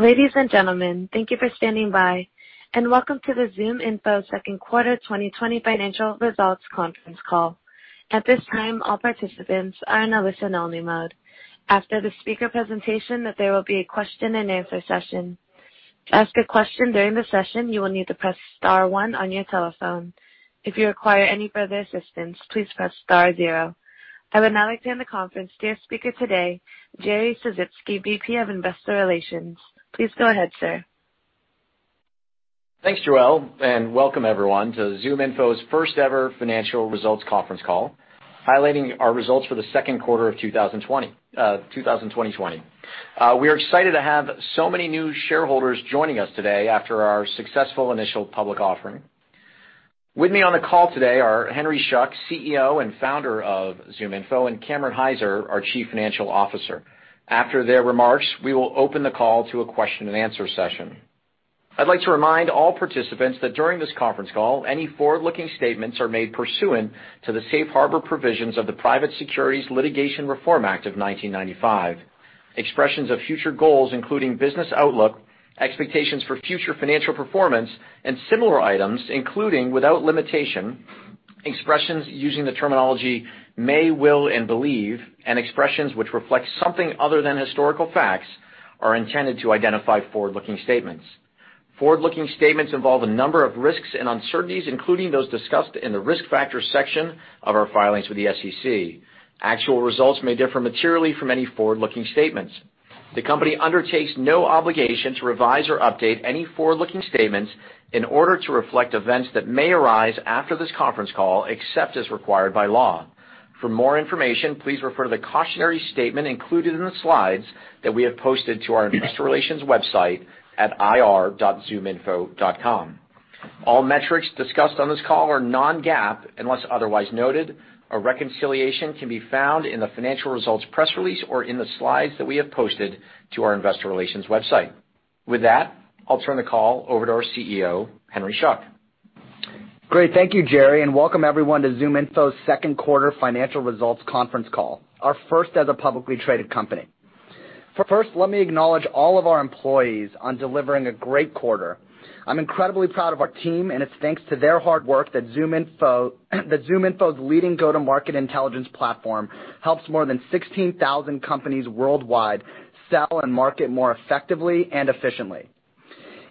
Ladies and gentlemen, thank you for standing by, and welcome to the ZoomInfo second quarter 2020 financial results conference call. At this time, all participants are in a listen-only mode. After the speaker presentation, there will be a question and answer session. To ask a question during the session, you will need to press star one on your telephone. If you require any further assistance, please press star zero. I would now like to hand the conference to your speaker today, Jerry Sisitsky, VP of Investor Relations. Please go ahead, sir. Thanks, Josh, welcome everyone to ZoomInfo's first ever financial results conference call, highlighting our results for the second quarter of 2020. We are excited to have so many new shareholders joining us today after our successful initial public offering. With me on the call today are Henry Schuck, CEO and founder of ZoomInfo, and Cameron Hyzer, our Chief Financial Officer. After their remarks, we will open the call to a question and answer session. I'd like to remind all participants that during this conference call, any forward-looking statements are made pursuant to the safe harbor provisions of the Private Securities Litigation Reform Act of 1995. Expressions of future goals, including business outlook, expectations for future financial performance, and similar items, including, without limitation, expressions using the terminology may, will, and believe, and expressions which reflect something other than historical facts, are intended to identify forward-looking statements. Forward-looking statements involve a number of risks and uncertainties, including those discussed in the risk factors section of our filings with the SEC. Actual results may differ materially from any forward-looking statements. The company undertakes no obligation to revise or update any forward-looking statements in order to reflect events that may arise after this conference call, except as required by law. For more information, please refer to the cautionary statement included in the slides that we have posted to our investor relations website at ir.zoominfo.com. All metrics discussed on this call are non-GAAP, unless otherwise noted. A reconciliation can be found in the financial results press release or in the slides that we have posted to our investor relations website. With that, I'll turn the call over to our CEO, Henry Schuck. Great. Thank you, Jerry, and welcome everyone to ZoomInfo's second quarter financial results conference call, our first as a publicly traded company. First, let me acknowledge all of our employees on delivering a great quarter. I'm incredibly proud of our team, and it's thanks to their hard work that ZoomInfo's leading go-to-market intelligence platform helps more than 16,000 companies worldwide sell and market more effectively and efficiently.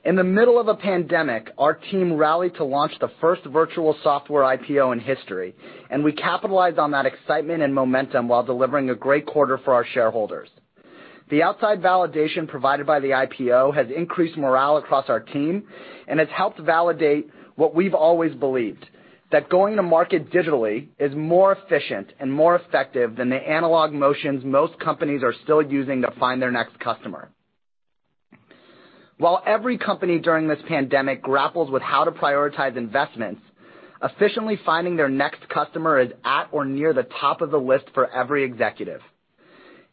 In the middle of a pandemic, our team rallied to launch the first virtual software IPO in history, and we capitalized on that excitement and momentum while delivering a great quarter for our shareholders. The outside validation provided by the IPO has increased morale across our team, and it's helped validate what we've always believed. That going to market digitally is more efficient and more effective than the analog motions most companies are still using to find their next customer. While every company during this pandemic grapples with how to prioritize investments, efficiently finding their next customer is at or near the top of the list for every executive.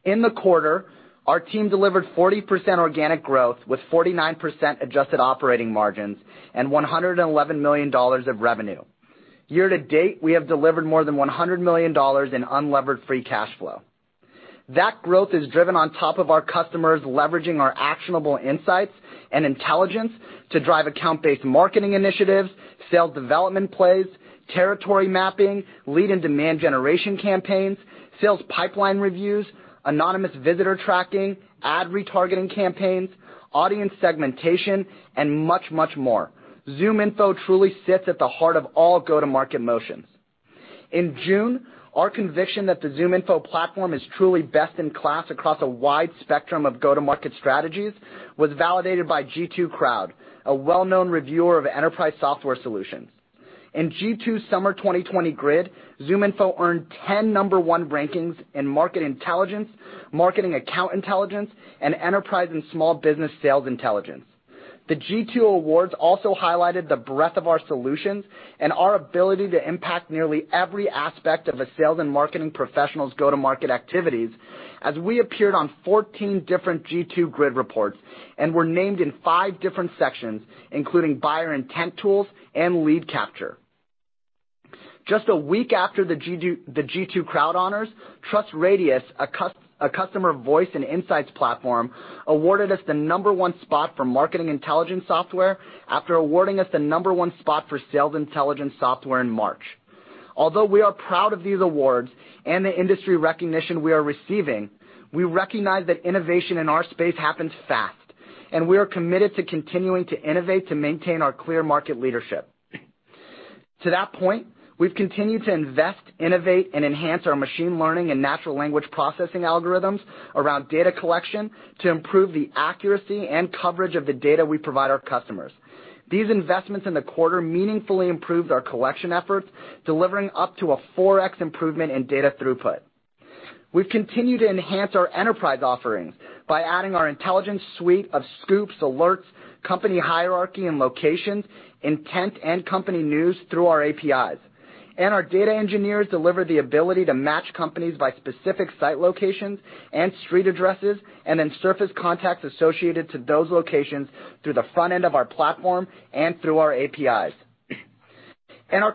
In the quarter, our team delivered 40% organic growth with 49% adjusted operating margins and $111 million of revenue. Year-to-date, we have delivered more than $100 million in unlevered free cash flow. That growth is driven on top of our customers leveraging our actionable insights and intelligence to drive account-based marketing initiatives, sales development plays, territory mapping, lead and demand generation campaigns, sales pipeline reviews, anonymous visitor tracking, ad retargeting campaigns, audience segmentation, and much, much more. ZoomInfo truly sits at the heart of all go-to-market motions. In June, our conviction that the ZoomInfo Platform is truly best in class across a wide spectrum of go-to-market strategies was validated by G2 Crowd, a well-known reviewer of enterprise software solutions. In G2 Summer 2020 Grid, ZoomInfo earned 10 number one rankings in market intelligence, marketing account intelligence, and enterprise and small business sales intelligence. The G2 awards also highlighted the breadth of our solutions and our ability to impact nearly every aspect of a sales and marketing professional's go-to-market activities, as we appeared on 14 different G2 Grid reports and were named in five different sections, including buyer intent tools and lead capture. Just a week after the G2 Crowd honors, TrustRadius, a customer voice and insights platform, awarded us the number one spot for marketing intelligence software after awarding us the number one spot for sales intelligence software in March. Although we are proud of these awards and the industry recognition we are receiving, we recognize that innovation in our space happens fast, and we are committed to continuing to innovate to maintain our clear market leadership. To that point, we've continued to invest, innovate, and enhance our machine learning and natural language processing algorithms around data collection to improve the accuracy and coverage of the data we provide our customers. These investments in the quarter meaningfully improved our collection efforts, delivering up to a 4x improvement in data throughput. We've continued to enhance our enterprise offerings by adding our intelligence suite of Scoops, alerts, company hierarchy and locations, intent, and company news through our APIs. Our data engineers deliver the ability to match companies by specific site locations and street addresses, then surface contacts associated to those locations through the front end of our platform and through our APIs. More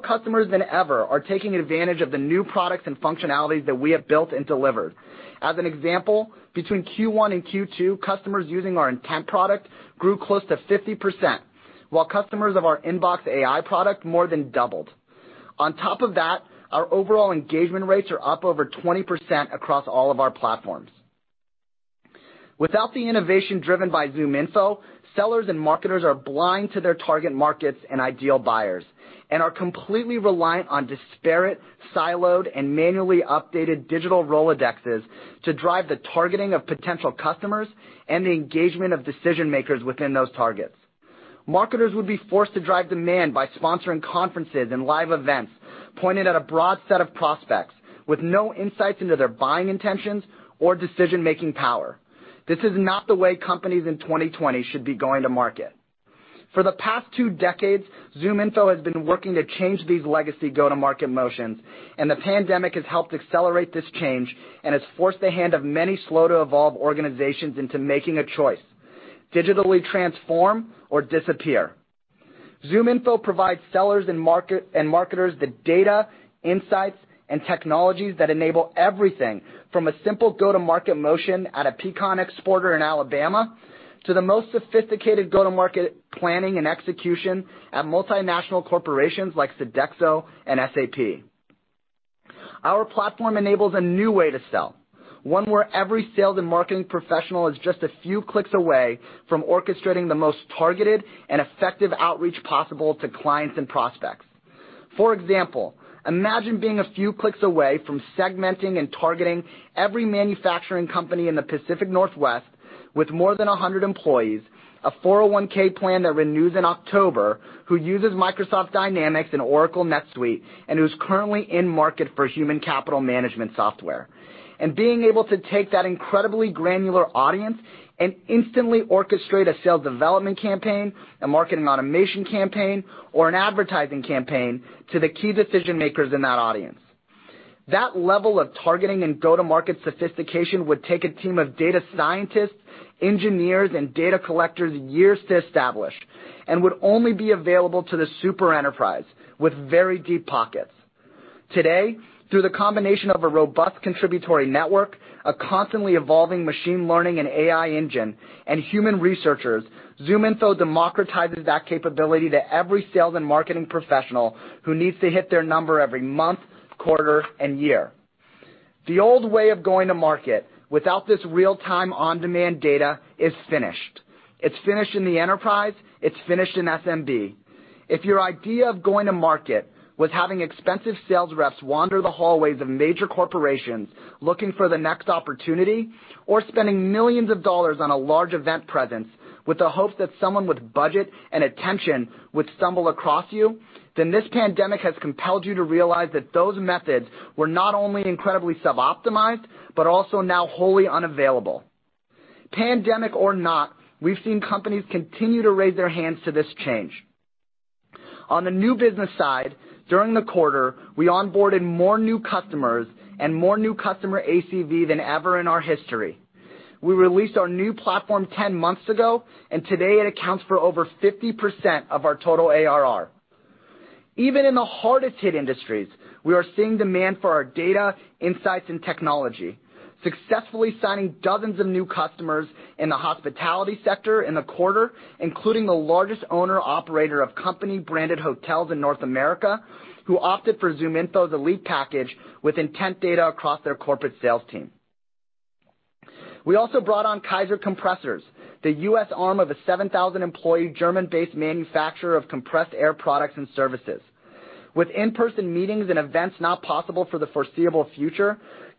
customers than ever are taking advantage of the new products and functionalities that we have built and delivered. As an example, between Q1 and Q2, customers using our intent product grew close to 50%, while customers of our InboxAI product more than doubled. On top of that, our overall engagement rates are up over 20% across all of our platforms. Without the innovation driven by ZoomInfo, sellers and marketers are blind to their target markets and ideal buyers, and are completely reliant on disparate, siloed, and manually updated digital Rolodexes to drive the targeting of potential customers and the engagement of decision-makers within those targets. Marketers would be forced to drive demand by sponsoring conferences and live events pointed at a broad set of prospects, with no insights into their buying intentions or decision-making power. This is not the way companies in 2020 should be going to market. For the past two decades, ZoomInfo has been working to change these legacy go-to-market motions, and the pandemic has helped accelerate this change and has forced the hand of many slow-to-evolve organizations into making a choice: digitally transform or disappear. ZoomInfo provides sellers and marketers the data, insights, and technologies that enable everything from a simple go-to-market motion at a pecan exporter in Alabama, to the most sophisticated go-to-market planning and execution at multinational corporations like Sodexo and SAP. Our platform enables a new way to sell, one where every sales and marketing professional is just a few clicks away from orchestrating the most targeted and effective outreach possible to clients and prospects. For example, imagine being a few clicks away from segmenting and targeting every manufacturing company in the Pacific Northwest with more than 100 employees, a 401(k) plan that renews in October, who uses Microsoft Dynamics and Oracle NetSuite, and who's currently in market for human capital management software. Being able to take that incredibly granular audience and instantly orchestrate a sales development campaign, a marketing automation campaign, or an advertising campaign to the key decision-makers in that audience. That level of targeting and go-to-market sophistication would take a team of data scientists, engineers, and data collectors years to establish, and would only be available to the super enterprise with very deep pockets. Today, through the combination of a robust contributory network, a constantly evolving machine learning and AI engine, and human researchers, ZoomInfo democratizes that capability to every sales and marketing professional who needs to hit their number every month, quarter, and year. The old way of going to market without this real-time, on-demand data is finished. It's finished in the enterprise. It's finished in SMB. If your idea of going to market was having expensive sales reps wander the hallways of major corporations looking for the next opportunity, or spending millions of dollars on a large event presence with the hopes that someone with budget and attention would stumble across you, then this pandemic has compelled you to realize that those methods were not only incredibly sub-optimized, but also now wholly unavailable. Pandemic or not, we've seen companies continue to raise their hands to this change. On the new business side, during the quarter, we onboarded more new customers and more new customer ACV than ever in our history. We released our new platform 10 months ago. Today it accounts for over 50% of our total ARR. Even in the hardest hit industries, we are seeing demand for our data, insights, and technology, successfully signing dozens of new customers in the hospitality sector in the quarter, including the largest owner/operator of company-branded hotels in North America, who opted for ZoomInfo's Elite package with intent data across their corporate sales team. We also brought on Kaeser Compressors, the U.S. arm of a 7,000-employee German-based manufacturer of compressed air products and services. With in-person meetings and events not possible for the foreseeable future,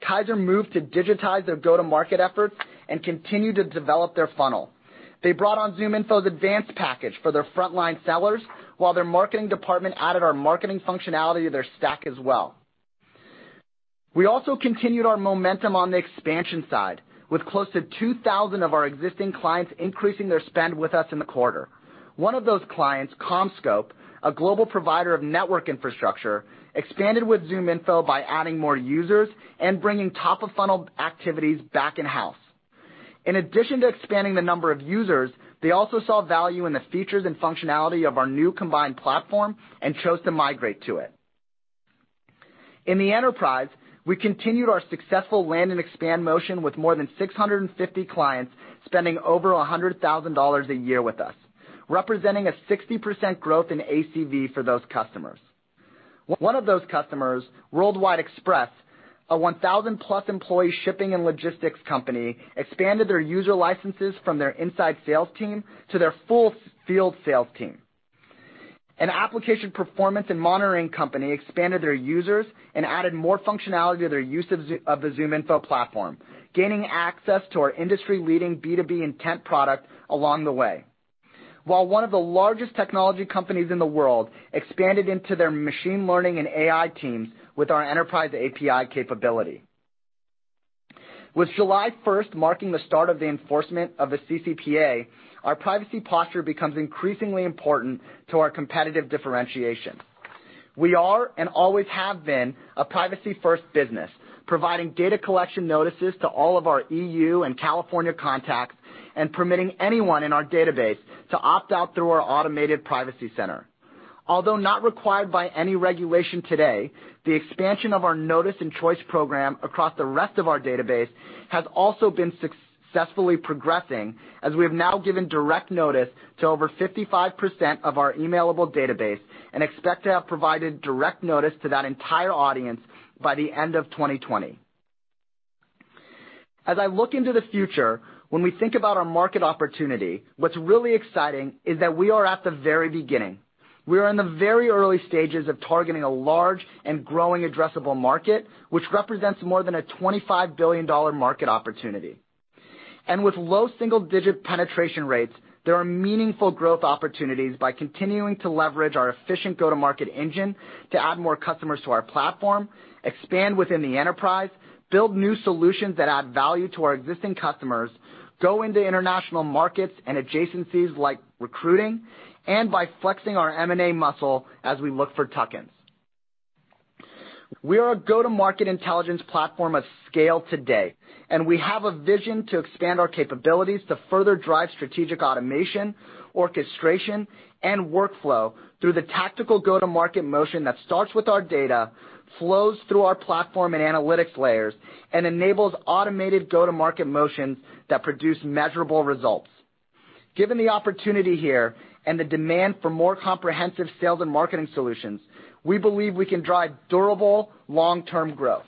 Kaeser moved to digitize their go-to-market efforts and continue to develop their funnel. They brought on ZoomInfo's advanced package for their frontline sellers, while their marketing department added our marketing functionality to their stack as well. We also continued our momentum on the expansion side, with close to 2,000 of our existing clients increasing their spend with us in the quarter. One of those clients, CommScope, a global provider of network infrastructure, expanded with ZoomInfo by adding more users and bringing top-of-funnel activities back in-house. In addition to expanding the number of users, they also saw value in the features and functionality of our new combined platform and chose to migrate to it. In the enterprise, we continued our successful land and expand motion with more than 650 clients spending over $100,000 a year with us, representing a 60% growth in ACV for those customers. One of those customers, Worldwide Express, a 1,000+ employee shipping and logistics company, expanded their user licenses from their inside sales team to their full field sales team. An application performance and monitoring company expanded their users and added more functionality to their use of the ZoomInfo Platform, gaining access to our industry-leading B2B intent product along the way. While one of the largest technology companies in the world expanded into their machine learning and AI teams with our enterprise API capability. With July 1st marking the start of the enforcement of the CCPA, our privacy posture becomes increasingly important to our competitive differentiation. We are, and always have been, a privacy-first business, providing data collection notices to all of our EU and California contacts, and permitting anyone in our database to opt out through our automated privacy center. Although not required by any regulation today, the expansion of our notice and choice program across the rest of our database has also been successfully progressing, as we have now given direct notice to over 55% of our emailable database, and expect to have provided direct notice to that entire audience by the end of 2020. As I look into the future, when we think about our market opportunity, what's really exciting is that we are at the very beginning. We are in the very early stages of targeting a large and growing addressable market, which represents more than a $25 billion market opportunity. With low single-digit penetration rates, there are meaningful growth opportunities by continuing to leverage our efficient go-to-market engine to add more customers to our platform, expand within the enterprise, build new solutions that add value to our existing customers, go into international markets and adjacencies like recruiting, and by flexing our M&A muscle as we look for tuck-ins. We are a go-to-market intelligence platform of scale today, and we have a vision to expand our capabilities to further drive strategic automation, orchestration, and workflow through the tactical go-to-market motion that starts with our data, flows through our platform and analytics layers, and enables automated go-to-market motions that produce measurable results. Given the opportunity here and the demand for more comprehensive sales and marketing solutions, we believe we can drive durable long-term growth.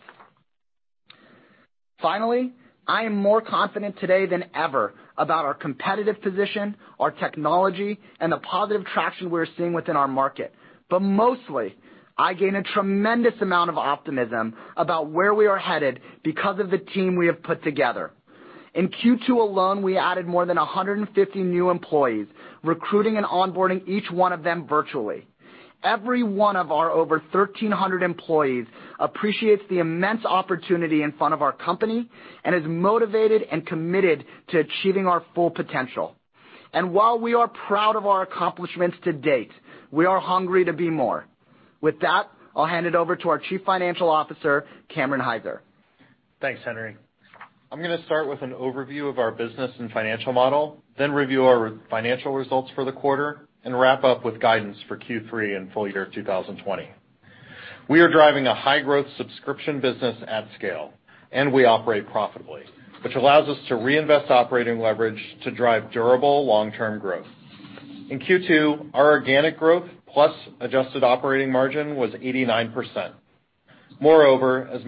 Finally, I am more confident today than ever about our competitive position, our technology, and the positive traction we're seeing within our market. Mostly, I gain a tremendous amount of optimism about where we are headed because of the team we have put together. In Q2 alone, we added more than 150 new employees, recruiting and onboarding each one of them virtually. Every one of our over 1,300 employees appreciates the immense opportunity in front of our company, and is motivated and committed to achieving our full potential. While we are proud of our accomplishments to-date, we are hungry to be more. With that, I'll hand it over to our Chief Financial Officer, Cameron Hyzer. Thanks, Henry. I'm going to start with an overview of our business and financial model, then review our financial results for the quarter, and wrap up with guidance for Q3 and full year 2020. We are driving a high-growth subscription business at scale, we operate profitably, which allows us to reinvest operating leverage to drive durable long-term growth. In Q2, our organic growth plus adjusted operating margin was 89%. Moreover, as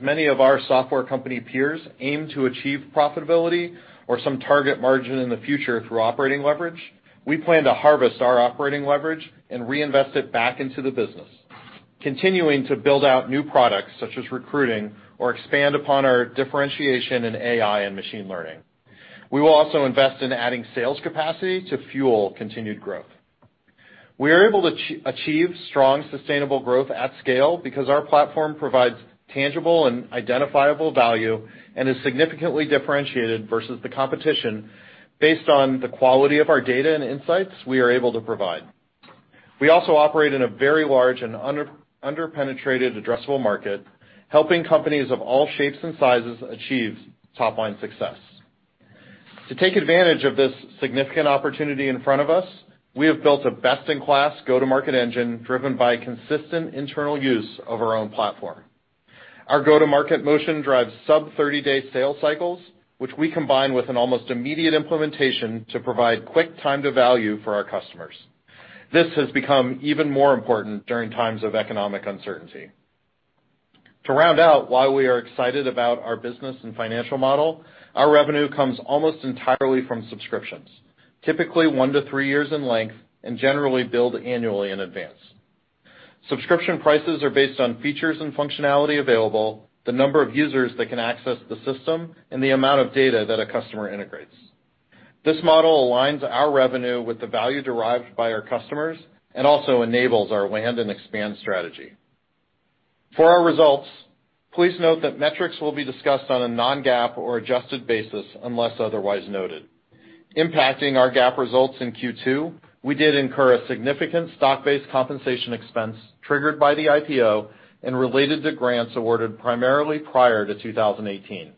many of our software company peers aim to achieve profitability or some target margin in the future through operating leverage, we plan to harvest our operating leverage and reinvest it back into the business, continuing to build out new products such as recruiting or expand upon our differentiation in AI and machine learning. We will also invest in adding sales capacity to fuel continued growth. We are able to achieve strong, sustainable growth at scale because our platform provides tangible and identifiable value and is significantly differentiated versus the competition based on the quality of our data and insights we are able to provide. We also operate in a very large and under-penetrated addressable market, helping companies of all shapes and sizes achieve top-line success. To take advantage of this significant opportunity in front of us, we have built a best-in-class go-to-market engine driven by consistent internal use of our own platform. Our go-to-market motion drives sub-30-day sales cycles, which we combine with an almost immediate implementation to provide quick time to value for our customers. This has become even more important during times of economic uncertainty. To round out why we are excited about our business and financial model, our revenue comes almost entirely from subscriptions, typically one to three years in length, and generally billed annually in advance. Subscription prices are based on features and functionality available, the number of users that can access the system, and the amount of data that a customer integrates. This model aligns our revenue with the value derived by our customers and also enables our land and expand strategy. For our results, please note that metrics will be discussed on a non-GAAP or adjusted basis unless otherwise noted. Impacting our GAAP results in Q2, we did incur a significant stock-based compensation expense triggered by the IPO and related to grants awarded primarily prior to 2018.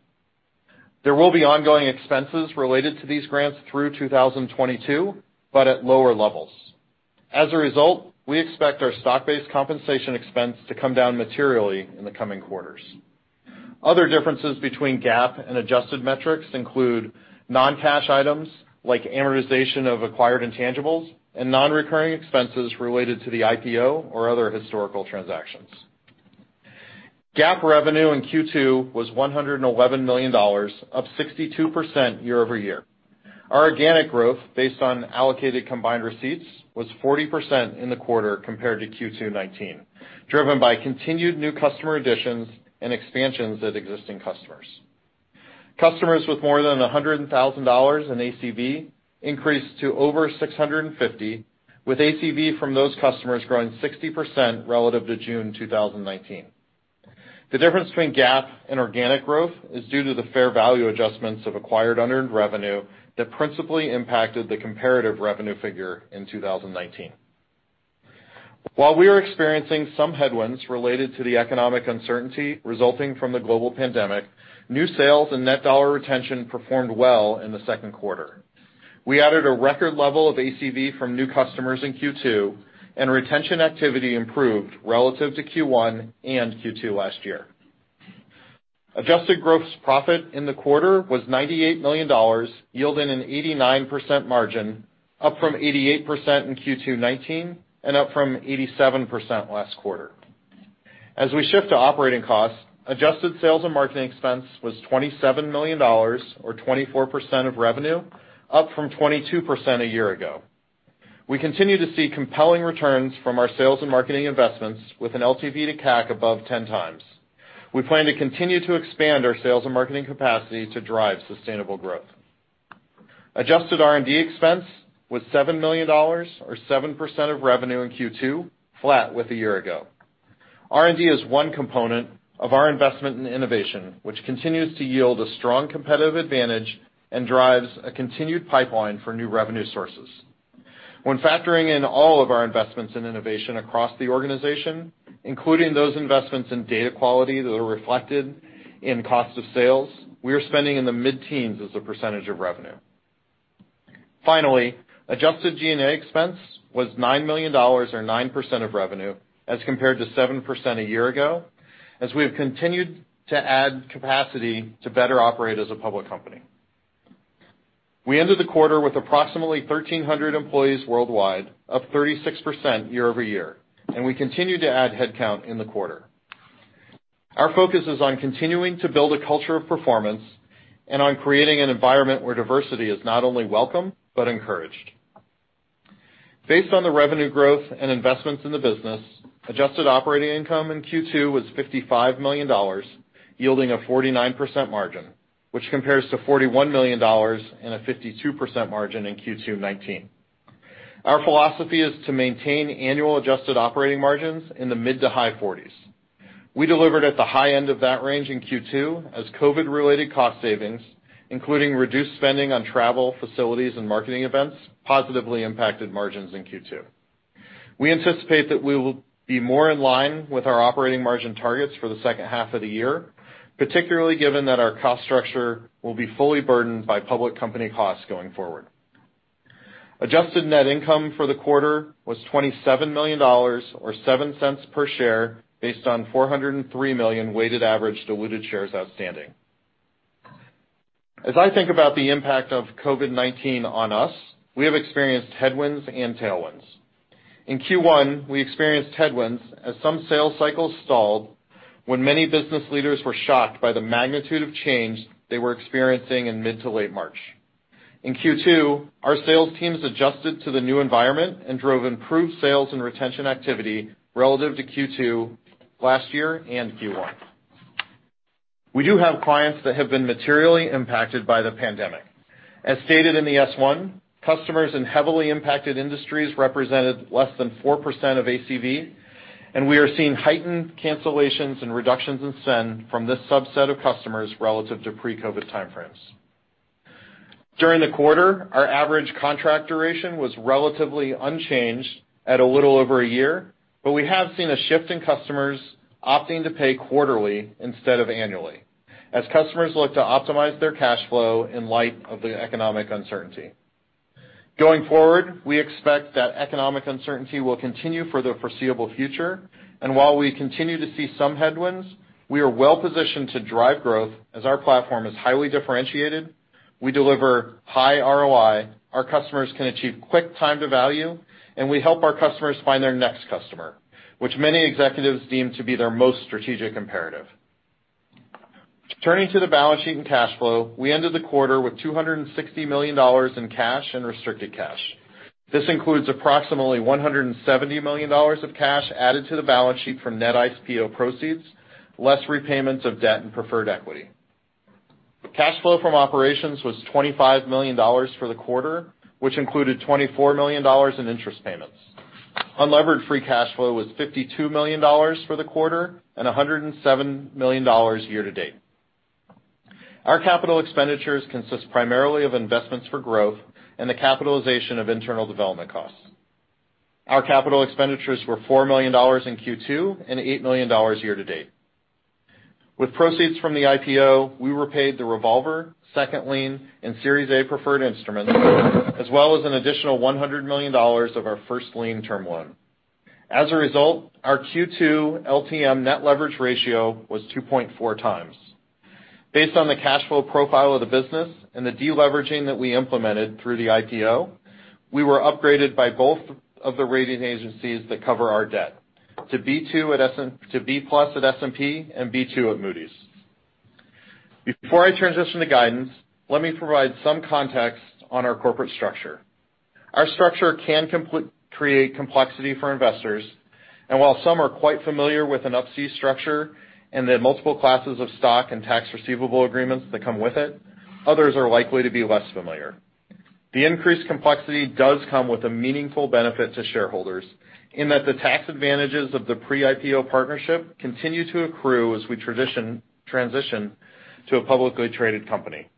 There will be ongoing expenses related to these grants through 2022, but at lower levels. As a result, we expect our stock-based compensation expense to come down materially in the coming quarters. Other differences between GAAP and adjusted metrics include non-cash items like amortization of acquired intangibles and non-recurring expenses related to the IPO or other historical transactions. GAAP revenue in Q2 was $111 million, up 62% year-over-year. Our organic growth, based on allocated combined receipts, was 40% in the quarter compared to Q2 2019, driven by continued new customer additions and expansions at existing customers. Customers with more than $100,000 in ACV increased to over 650, with ACV from those customers growing 60% relative to June 2019. The difference between GAAP and organic growth is due to the fair value adjustments of acquired unearned revenue that principally impacted the comparative revenue figure in 2019. While we are experiencing some headwinds related to the economic uncertainty resulting from the global pandemic, new sales and net dollar retention performed well in the second quarter. We added a record level of ACV from new customers in Q2, and retention activity improved relative to Q1 and Q2 last year. Adjusted gross profit in the quarter was $98 million, yielding an 89% margin, up from 88% in Q2 2019 and up from 87% last quarter. As we shift to operating costs, adjusted sales and marketing expense was $27 million, or 24% of revenue, up from 22% a year ago. We continue to see compelling returns from our sales and marketing investments with an LTV to CAC above 10x. We plan to continue to expand our sales and marketing capacity to drive sustainable growth. Adjusted R&D expense was $7 million, or 7% of revenue in Q2, flat with a year ago. R&D is one component of our investment in innovation, which continues to yield a strong competitive advantage and drives a continued pipeline for new revenue sources. When factoring in all of our investments in innovation across the organization, including those investments in data quality that are reflected in cost of sales, we are spending in the mid-teens as a percentage of revenue. Finally, adjusted G&A expense was $9 million or 9% of revenue as compared to 7% a year ago, as we have continued to add capacity to better operate as a public company. We ended the quarter with approximately 1,300 employees worldwide, up 36% year-over-year, and we continued to add headcount in the quarter. Our focus is on continuing to build a culture of performance and on creating an environment where diversity is not only welcome but encouraged. Based on the revenue growth and investments in the business, adjusted operating income in Q2 was $55 million, yielding a 49% margin, which compares to $41 million and a 52% margin in Q2 2019. Our philosophy is to maintain annual adjusted operating margins in the mid to high 40s. We delivered at the high end of that range in Q2 as COVID-related cost savings, including reduced spending on travel, facilities, and marketing events, positively impacted margins in Q2. We anticipate that we will be more in line with our operating margin targets for the second half of the year, particularly given that our cost structure will be fully burdened by public company costs going forward. Adjusted net income for the quarter was $27 million, or $0.07 per share, based on 403 million weighted average diluted shares outstanding. As I think about the impact of COVID-19 on us, we have experienced headwinds and tailwinds. In Q1, we experienced headwinds as some sales cycles stalled when many business leaders were shocked by the magnitude of change they were experiencing in mid to late March. In Q2, our sales teams adjusted to the new environment and drove improved sales and retention activity relative to Q2 last year and Q1. We do have clients that have been materially impacted by the pandemic. As stated in the S-1, customers in heavily impacted industries represented less than 4% of ACV, and we are seeing heightened cancellations and reductions in spend from this subset of customers relative to pre-COVID time frames. During the quarter, our average contract duration was relatively unchanged at a little over a year, but we have seen a shift in customers opting to pay quarterly instead of annually as customers look to optimize their cash flow in light of the economic uncertainty. Going forward, we expect that economic uncertainty will continue for the foreseeable future. While we continue to see some headwinds, we are well-positioned to drive growth as our platform is highly differentiated, we deliver high ROI, our customers can achieve quick time to value, and we help our customers find their next customer, which many executives deem to be their most strategic imperative. Turning to the balance sheet and cash flow, we ended the quarter with $260 million in cash and restricted cash. This includes approximately $170 million of cash added to the balance sheet from net IPO proceeds, less repayments of debt and preferred equity. Cash flow from operations was $25 million for the quarter, which included $24 million in interest payments. Unlevered free cash flow was $52 million for the quarter, and $107 million year-to-date. Our capital expenditures consist primarily of investments for growth and the capitalization of internal development costs. Our capital expenditures were $4 million in Q2 and $8 million year-to-date. With proceeds from the IPO, we repaid the revolver, second lien, and Series A preferred instruments, as well as an additional $100 million of our first lien term loan. As a result, our Q2 LTM net leverage ratio was 2.4x. Based on the cash flow profile of the business and the deleveraging that we implemented through the IPO, we were upgraded by both of the rating agencies that cover our debt to B+ at S&P and B2 at Moody's. Before I transition to guidance, let me provide some context on our corporate structure. Our structure can create complexity for investors, and while some are quite familiar with an Up-C structure and the multiple classes of stock and tax receivable agreements that come with it, others are likely to be less familiar. The increased complexity does come with a meaningful benefit to shareholders in that the tax advantages of the pre-IPO partnership continue to accrue as we transition to a publicly traded company.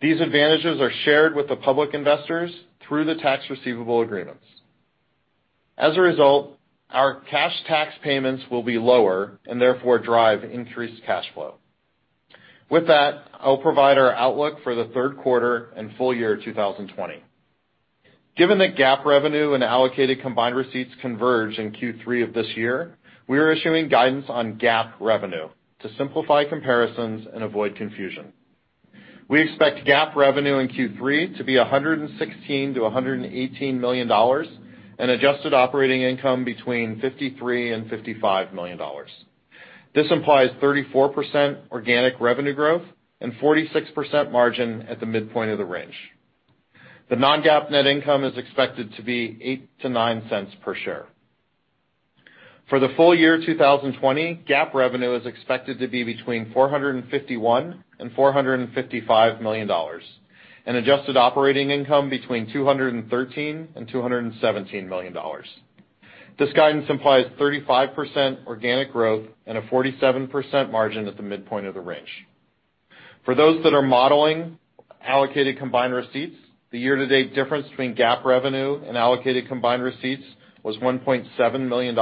These advantages are shared with the public investors through the tax receivable agreements. As a result, our cash tax payments will be lower and therefore drive increased cash flow. With that, I'll provide our outlook for the third quarter and full year 2020. Given that GAAP revenue and allocated combined receipts converge in Q3 of this year, we are issuing guidance on GAAP revenue to simplify comparisons and avoid confusion. We expect GAAP revenue in Q3 to be $116 million-$118 million and adjusted operating income between $53 million and $55 million. This implies 34% organic revenue growth and 46% margin at the midpoint of the range. The non-GAAP net income is expected to be $0.08-$0.09 per share. For the full year 2020, GAAP revenue is expected to be between $451 million and $455 million, and adjusted operating income between $213 million and $217 million. This guidance implies 35% organic growth and a 47% margin at the midpoint of the range. For those that are modeling allocated combined receipts, the year-to-date difference between GAAP revenue and allocated combined receipts was $1.7 million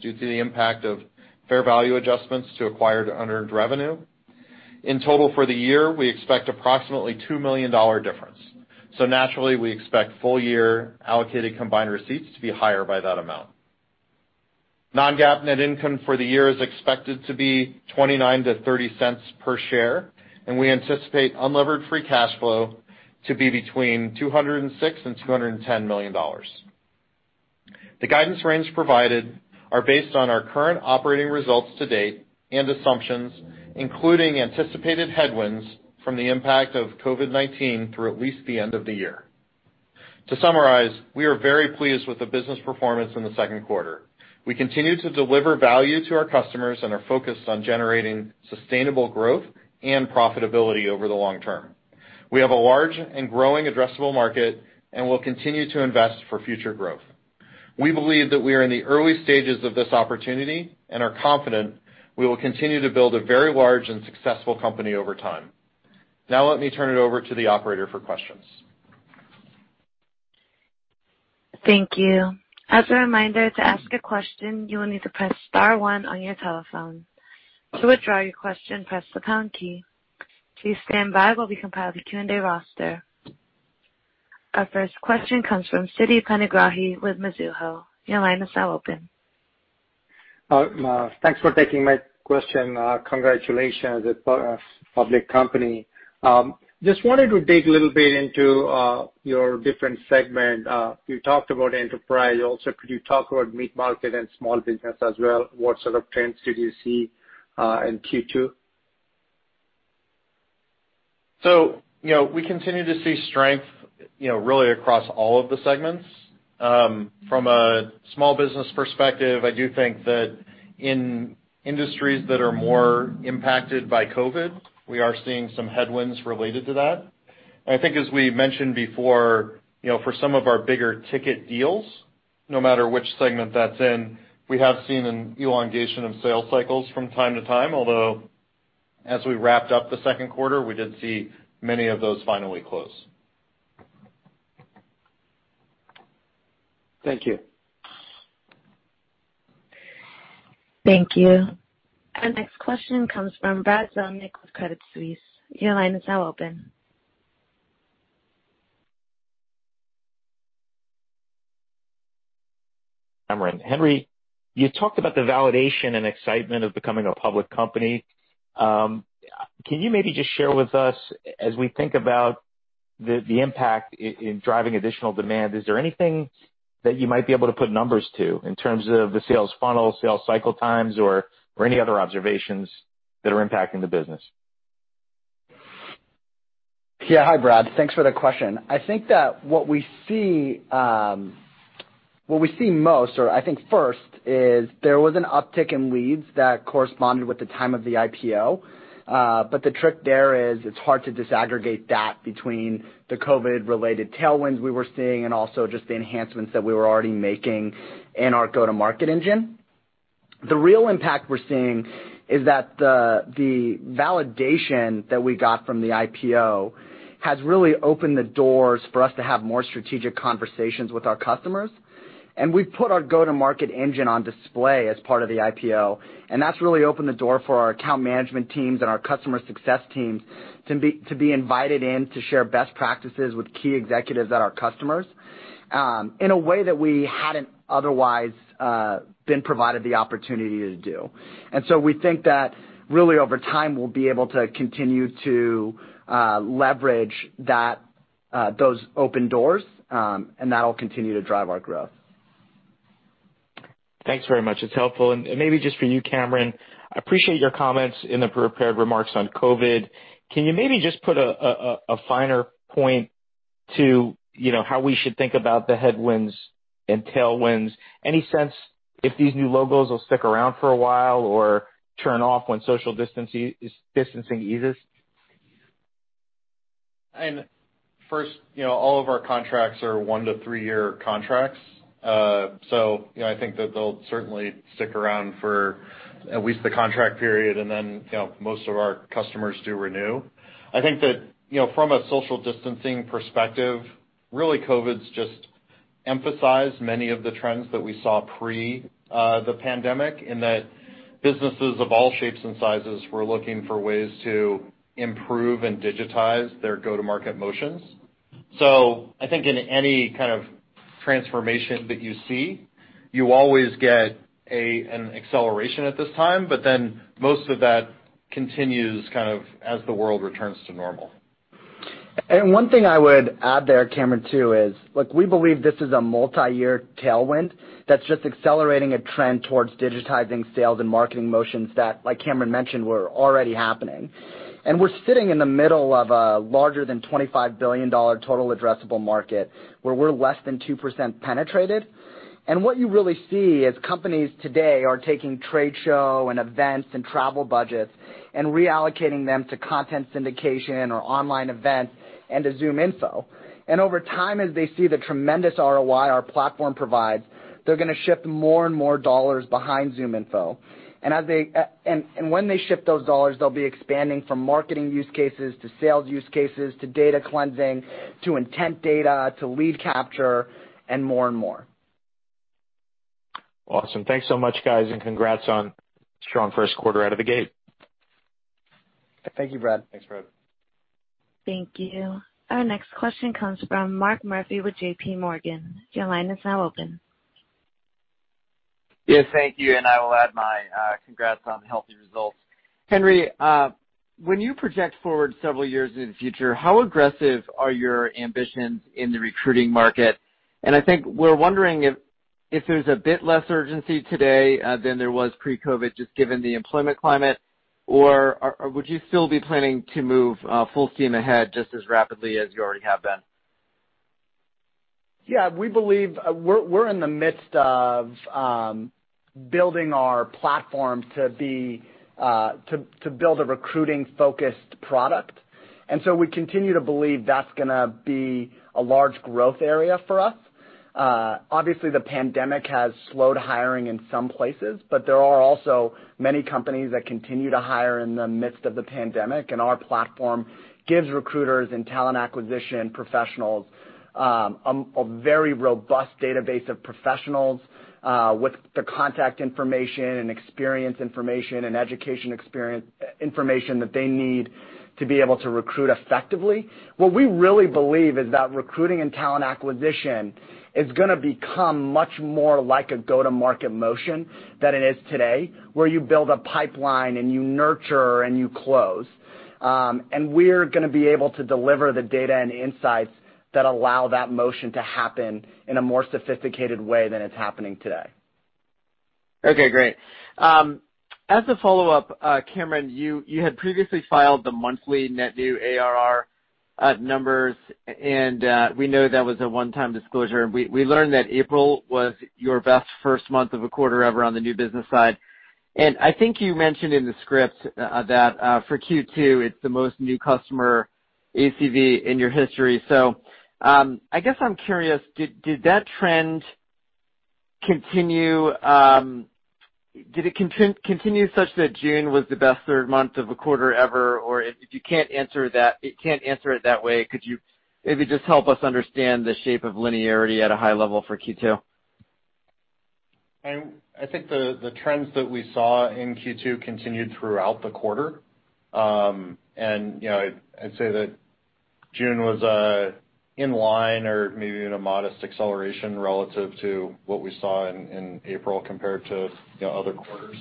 due to the impact of fair value adjustments to acquired unearned revenue. In total, for the year, we expect approximately a $2 million difference, so naturally, we expect full year allocated combined receipts to be higher by that amount. Non-GAAP net income for the year is expected to be $0.29-$0.30 per share, and we anticipate unlevered free cash flow to be between $206 million and $210 million. The guidance range provided are based on our current operating results to date and assumptions, including anticipated headwinds from the impact of COVID-19 through at least the end of the year. To summarize, we are very pleased with the business performance in the second quarter. We continue to deliver value to our customers and are focused on generating sustainable growth and profitability over the long term. We have a large and growing addressable market, and we'll continue to invest for future growth. We believe that we are in the early stages of this opportunity and are confident we will continue to build a very large and successful company over time. Now let me turn it over to the operator for questions. Thank you. As a reminder, to ask a question, you will need to press star one on your telephone. To withdraw your question, press the pound key. Please stand by while we compile the Q&A roster. Our first question comes from Siti Panigrahi with Mizuho. Your line is now open. Thanks for taking my question. Congratulations on the public company. Just wanted to dig a little bit into your different segment. You talked about enterprise also. Could you talk about mid-market and small business as well? What sort of trends did you see in Q2? We continue to see strength really across all of the segments. From a small business perspective, I do think that in industries that are more impacted by COVID, we are seeing some headwinds related to that. I think as we mentioned before, for some of our bigger ticket deals, no matter which segment that's in, we have seen an elongation of sales cycles from time to time, although as we wrapped up the second quarter, we did see many of those finally close. Thank you. Thank you. Our next question comes from Brad Zelnick with Credit Suisse. Your line is now open. Cameron, Henry, you talked about the validation and excitement of becoming a public company. Can you maybe just share with us, as we think about the impact in driving additional demand, is there anything that you might be able to put numbers to in terms of the sales funnel, sales cycle times, or any other observations that are impacting the business? Yeah. Hi, Brad. Thanks for the question. I think that what we see most, or I think first, is there was an uptick in leads that corresponded with the time of the IPO. The trick there is it's hard to disaggregate that between the COVID-19-related tailwinds we were seeing and also just the enhancements that we were already making in our go-to-market engine. The real impact we're seeing is that the validation that we got from the IPO has really opened the doors for us to have more strategic conversations with our customers. We've put our go-to-market engine on display as part of the IPO, and that's really opened the door for our account management teams and our customer success teams to be invited in to share best practices with key executives at our customers in a way that we hadn't otherwise been provided the opportunity to do. We think that really over time, we'll be able to continue to leverage those open doors, and that'll continue to drive our growth. Thanks very much. It's helpful. Maybe just for you, Cameron, I appreciate your comments in the prepared remarks on COVID-19. Can you maybe just put a finer point to how we should think about the headwinds and tailwinds? Any sense if these new logos will stick around for a while or turn off when social distancing eases? First, all of our contracts are one to three-year contracts. I think that they'll certainly stick around for at least the contract period, and then most of our customers do renew. I think that from a social distancing perspective, really, COVID's just emphasized many of the trends that we saw pre the pandemic in that businesses of all shapes and sizes were looking for ways to improve and digitize their go-to-market motions. I think in any kind of transformation that you see, you always get an acceleration at this time, but then most of that continues as the world returns to normal. One thing I would add there, Cameron, too, is we believe this is a multiyear tailwind that's just accelerating a trend towards digitizing sales and marketing motions that, like Cameron mentioned, were already happening. We're sitting in the middle of a larger than $25 billion total addressable market where we're less than 2% penetrated. What you really see is companies today are taking trade show and events and travel budgets and reallocating them to content syndication or online events and to ZoomInfo. Over time, as they see the tremendous ROI our platform provides, they're going to shift more and more dollars behind ZoomInfo. When they shift those dollars, they'll be expanding from marketing use cases to sales use cases, to data cleansing, to intent data, to lead capture and more and more. Awesome. Thanks so much, guys, and congrats on a strong first quarter out of the gate. Thank you, Brad. Thanks, Brad. Thank you. Our next question comes from Mark Murphy with JPMorgan. Your line is now open. Yes, thank you, and I will add my congrats on the healthy results. Henry, when you project forward several years into the future, how aggressive are your ambitions in the recruiting market? I think we're wondering if there's a bit less urgency today than there was pre-COVID, just given the employment climate, or would you still be planning to move full steam ahead just as rapidly as you already have been? We believe we're in the midst of building our platform to build a recruiting-focused product. We continue to believe that's going to be a large growth area for us. Obviously, the pandemic has slowed hiring in some places, but there are also many companies that continue to hire in the midst of the pandemic, and our platform gives recruiters and talent acquisition professionals a very robust database of professionals with the contact information and experience information and education experience information that they need to be able to recruit effectively. What we really believe is that recruiting and talent acquisition is going to become much more like a go-to-market motion than it is today, where you build a pipeline and you nurture and you close. We're going to be able to deliver the data and insights that allow that motion to happen in a more sophisticated way than it's happening today. Okay, great. As a follow-up, Cameron, you had previously filed the monthly net new ARR numbers, and we know that was a one-time disclosure. We learned that April was your best first month of a quarter ever on the new business side. I think you mentioned in the script that for Q2, it's the most new customer ACV in your history. I guess I'm curious, did that trend continue? Did it continue such that June was the best third month of a quarter ever? If you can't answer it that way, could you maybe just help us understand the shape of linearity at a high level for Q2? I think the trends that we saw in Q2 continued throughout the quarter. I'd say that June was in line or maybe even a modest acceleration relative to what we saw in April compared to other quarters.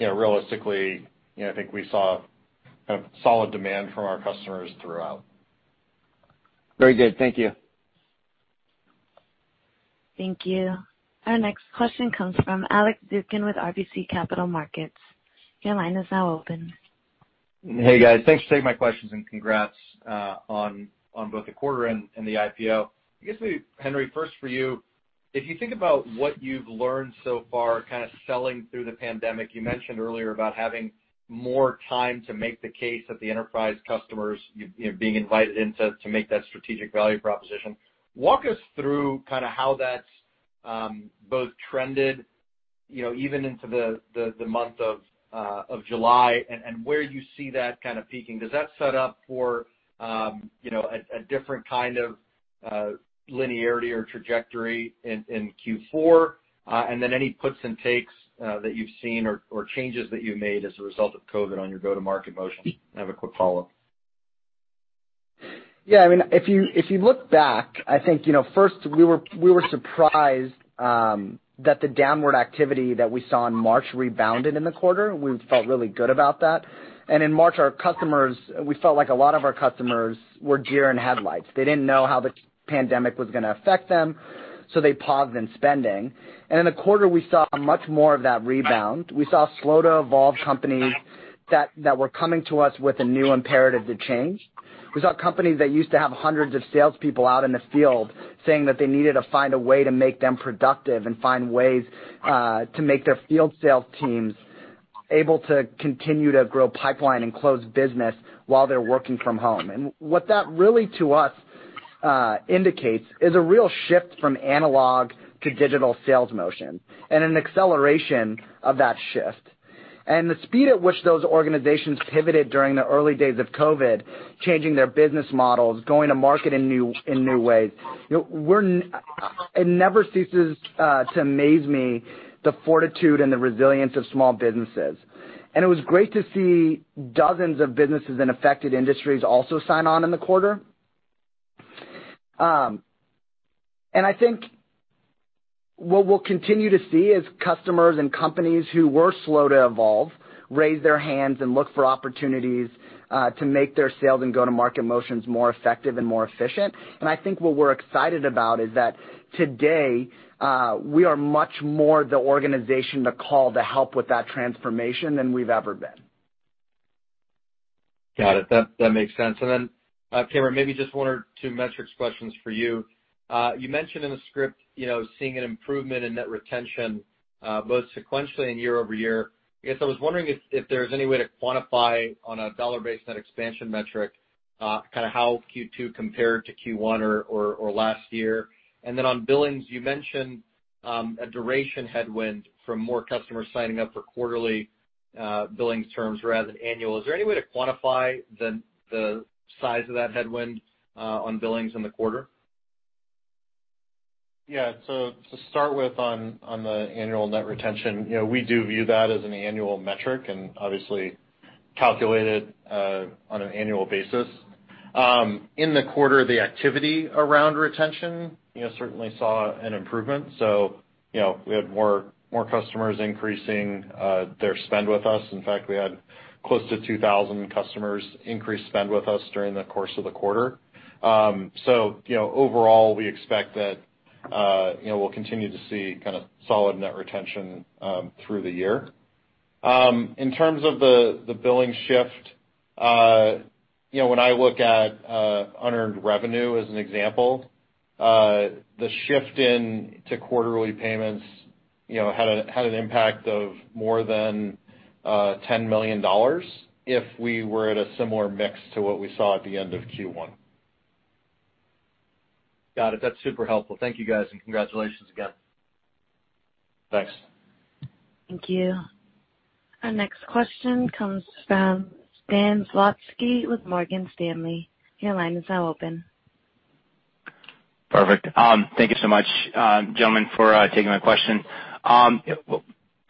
Realistically, I think we saw solid demand from our customers throughout. Very good. Thank you. Thank you. Our next question comes from Alex Zukin with RBC Capital Markets. Your line is now open. Hey, guys. Thanks for taking my questions and congrats on both the quarter and the IPO. I guess, Henry, first for you, if you think about what you've learned so far selling through the pandemic, you mentioned earlier about having more time to make the case at the enterprise customers, being invited in to make that strategic value proposition. Walk us through how that's both trended even into the month of July and where you see that peaking. Does that set up for a different kind of linearity or trajectory in Q4? Any puts and takes that you've seen or changes that you made as a result of COVID on your go-to-market motion? I have a quick follow-up. Yeah. If you look back, I think first we were surprised that the downward activity that we saw in March rebounded in the quarter. We felt really good about that. In March, we felt like a lot of our customers were deer in headlights. They didn't know how the pandemic was going to affect them, so they paused in spending. In the quarter, we saw much more of that rebound. We saw slow-to-evolve companies that were coming to us with a new imperative to change. We saw companies that used to have hundreds of salespeople out in the field saying that they needed to find a way to make them productive and find ways to make their field sales teams able to continue to grow pipeline and close business while they're working from home. What that really, to us, indicates is a real shift from analog to digital sales motion, an acceleration of that shift. The speed at which those organizations pivoted during the early days of COVID, changing their business models, going to market in new ways. It never ceases to amaze me the fortitude and the resilience of small businesses. It was great to see dozens of businesses in affected industries also sign on in the quarter. I think what we'll continue to see is customers and companies who were slow to evolve, raise their hands, and look for opportunities to make their sales and go-to-market motions more effective and more efficient. I think what we're excited about is that today, we are much more the organization to call to help with that transformation than we've ever been. Got it. That makes sense. Cameron, maybe just one or two metrics questions for you. You mentioned in the script seeing an improvement in net retention, both sequentially and year-over-year. I guess I was wondering if there's any way to quantify on a dollar-based net expansion metric how Q2 compared to Q1 or last year. On billings, you mentioned a duration headwind from more customers signing up for quarterly billing terms rather than annual. Is there any way to quantify the size of that headwind on billings in the quarter? Yeah. To start with, on the annual net retention, we do view that as an annual metric, and obviously calculate it on an annual basis. In the quarter, the activity around retention certainly saw an improvement. We had more customers increasing their spend with us. In fact, we had close to 2,000 customers increase spend with us during the course of the quarter. Overall, we expect that we'll continue to see solid net retention through the year. In terms of the billing shift, when I look at unearned revenue, as an example, the shift into quarterly payments had an impact of more than $10 million if we were at a similar mix to what we saw at the end of Q1. Got it. That's super helpful. Thank you guys, and congratulations again. Thanks. Thank you. Our next question comes from Stan Zlotsky with Morgan Stanley. Your line is now open. Perfect. Thank you so much, gentlemen, for taking my question. A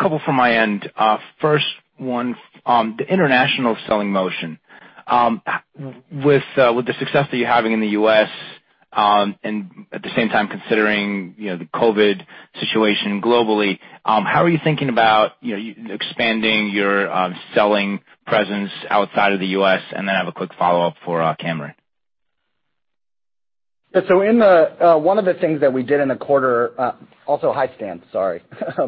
couple from my end. First one, the international selling motion. With the success that you're having in the U.S., and at the same time, considering the COVID situation globally, how are you thinking about expanding your selling presence outside of the U.S.? Then I have a quick follow-up for Cameron. One of the things that we did in the quarter, also, hi, Stan. Sorry. Hey.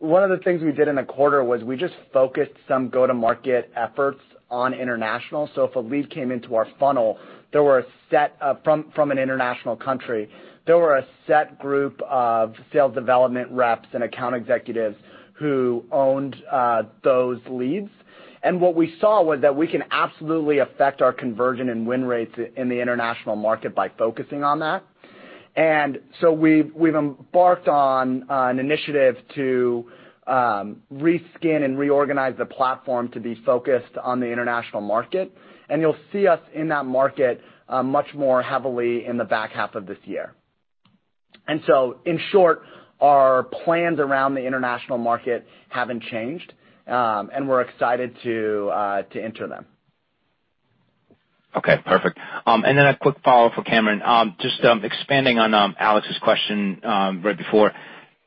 One of the things we did in the quarter was we just focused some go-to-market efforts on international. If a lead came into our funnel from an international country, there were a set group of sales development reps and account executives who owned those leads. What we saw was that we can absolutely affect our conversion and win rates in the international market by focusing on that. We've embarked on an initiative to reskin and reorganize the platform to be focused on the international market, and you'll see us in that market much more heavily in the back half of this year. In short, our plans around the international market haven't changed, and we're excited to enter them. Okay, perfect. A quick follow for Cameron. Just expanding on Alex's question right before.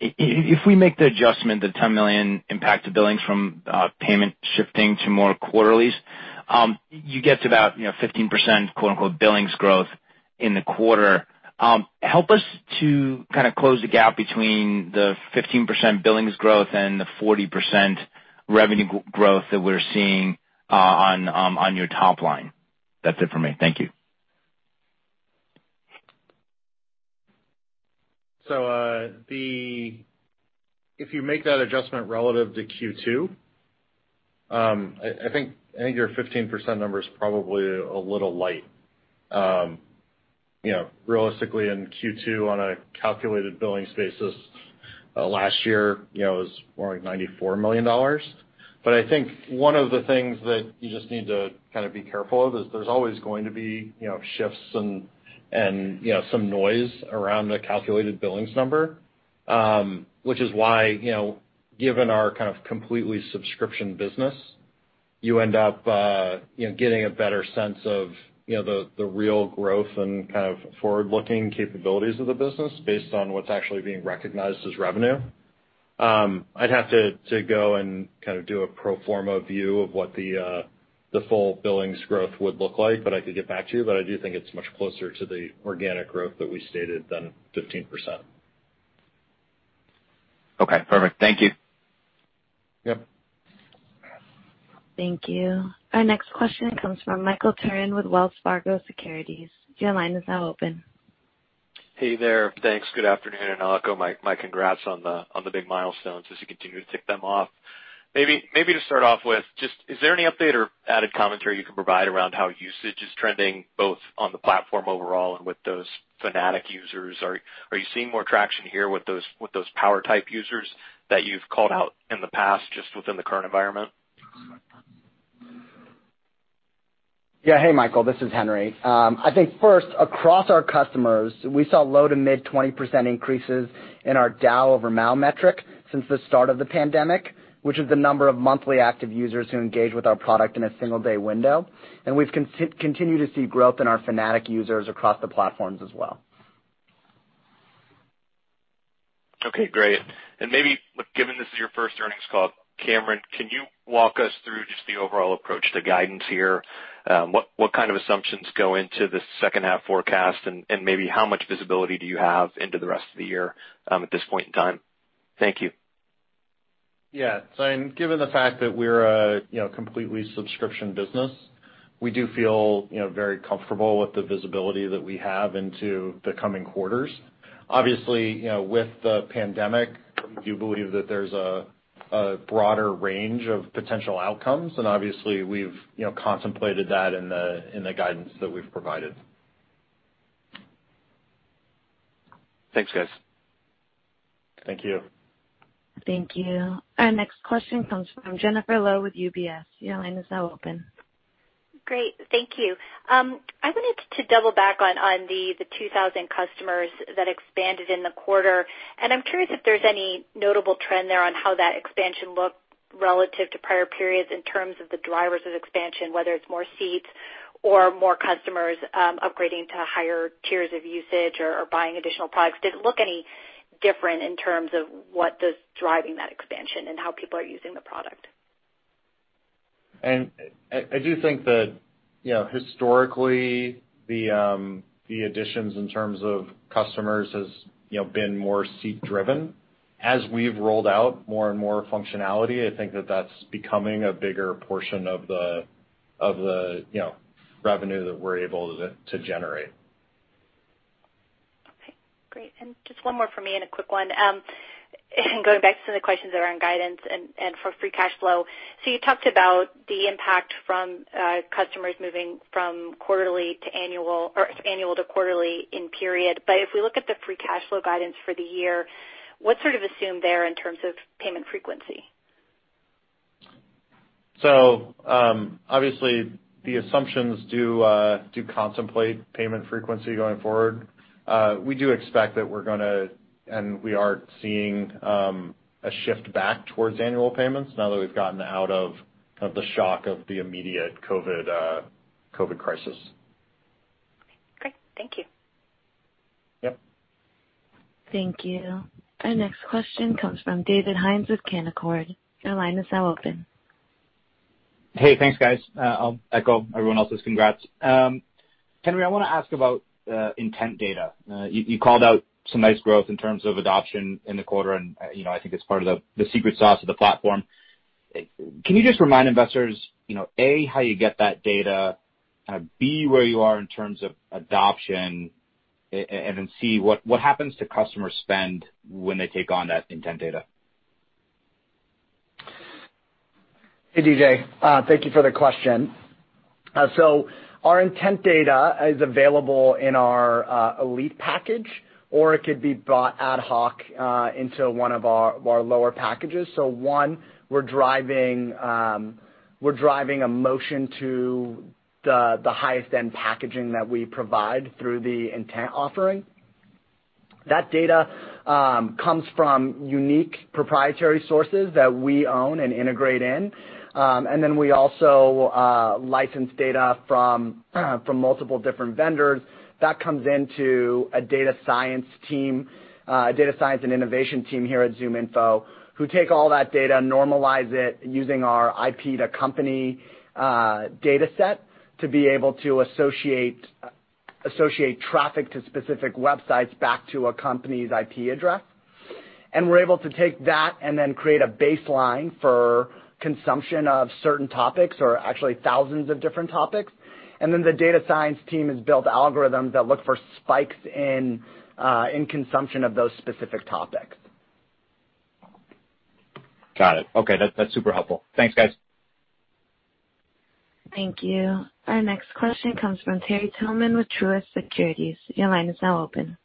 If we make the adjustment, the $10 million impact to billings from payment shifting to more quarterlies, you get to about 15%, quote unquote, billings growth in the quarter. Help us to close the gap between the 15% billings growth and the 40% revenue growth that we're seeing on your top line. That's it for me. Thank you. If you make that adjustment relative to Q2, I think your 15% number is probably a little light. Realistically, in Q2, on a calculated billings basis, last year, it was more like $94 million. I think one of the things that you just need to be careful of is there's always going to be shifts and some noise around the calculated billings number, which is why, given our completely subscription business, you end up getting a better sense of the real growth and forward-looking capabilities of the business based on what's actually being recognized as revenue. I'd have to go and do a pro forma view of what the full billings growth would look like, but I could get back to you, but I do think it's much closer to the organic growth that we stated than 15%. Okay, perfect. Thank you. Yep. Thank you. Our next question comes from Michael Turrin with Wells Fargo Securities. Your line is now open. Hey there. Thanks. Good afternoon. I'll echo my congrats on the big milestones as you continue to tick them off. Maybe to start off with, just, is there any update or added commentary you can provide around how usage is trending, both on the platform overall and with those fanatic users? Are you seeing more traction here with those power type users that you've called out in the past, just within the current environment? Yeah. Hey, Michael, this is Henry. I think first, across our customers, we saw low to mid 20% increases in our DAU over MAU metric since the start of the pandemic, which is the number of monthly active users who engage with our product in a single day window. We've continued to see growth in our fanatic users across the platforms as well. Okay, great. Maybe, given this is your first earnings call, Cameron, can you walk us through just the overall approach to guidance here? What kind of assumptions go into the second half forecast, and maybe how much visibility do you have into the rest of the year at this point in time? Thank you. Yeah. Given the fact that we're a completely subscription business, we do feel very comfortable with the visibility that we have into the coming quarters. Obviously, with the pandemic, we do believe that there's a broader range of potential outcomes. Obviously, we've contemplated that in the guidance that we've provided. Thanks, guys. Thank you. Thank you. Our next question comes from Jennifer Lowe with UBS. Your line is now open. Great. Thank you. I wanted to double back on the 2,000 customers that expanded in the quarter. I'm curious if there's any notable trend there on how that expansion looked relative to prior periods in terms of the drivers of expansion, whether it's more seats or more customers upgrading to higher tiers of usage or buying additional products. Did it look any different in terms of what is driving that expansion and how people are using the product? I do think that historically, the additions in terms of customers has been more seat-driven. As we've rolled out more and more functionality, I think that that's becoming a bigger portion of the revenue that we're able to generate. Okay, great. Just one more from me and a quick one. Going back to the questions around guidance and for free cash flow. You talked about the impact from customers moving from annual to quarterly in period. If we look at the free cash flow guidance for the year, what's sort of assumed there in terms of payment frequency? Obviously, the assumptions do contemplate payment frequency going forward. We do expect that we are seeing a shift back towards annual payments now that we've gotten out of the shock of the immediate COVID-19 crisis. Okay, great. Thank you. Yep. Thank you. Our next question comes from David Hynes with Canaccord. Your line is now open. Hey, thanks, guys. I'll echo everyone else's congrats. Henry, I want to ask about intent data. You called out some nice growth in terms of adoption in the quarter, and I think it's part of the secret sauce of the platform. Can you just remind investors, A, how you get that data, B, where you are in terms of adoption, and then C, what happens to customer spend when they take on that intent data? Hey, DJ. Thank you for the question. Our intent data is available in our Elite package, or it could be bought ad hoc into one of our lower packages. One, we're driving a motion to the highest-end packaging that we provide through the intent offering. That data comes from unique proprietary sources that we own and integrate in. We also license data from multiple different vendors. That comes into a data science and innovation team here at ZoomInfo, who take all that data, normalize it using our IP to company data set to be able to associate traffic to specific websites back to a company's IP address. We're able to take that and then create a baseline for consumption of certain topics, or actually thousands of different topics. The data science team has built algorithms that look for spikes in consumption of those specific topics. Got it. Okay. That's super helpful. Thanks, guys. Thank you. Our next question comes from Terry Tillman with Truist Securities. Your line is now open.